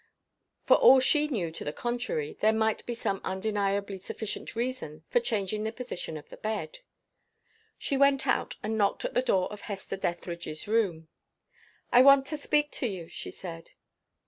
For all she knew to the contrary, there might be some undeniably sufficient reason for changing the position of the bed. She went out, and knocked at the door of Hester Dethridge's room. "I want to speak to you," she said.